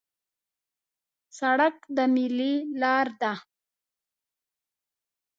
سړک د میلې لار ده.